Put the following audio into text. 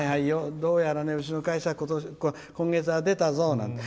どうやら、うちの会社今月は出たぞなんて。